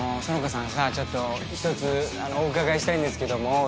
苑子さんさちょっと一つお伺いしたいんですけども。